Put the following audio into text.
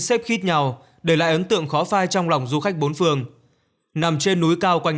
xếp khít nhau để lại ấn tượng khó phai trong lòng du khách bốn phường nằm trên núi cao quanh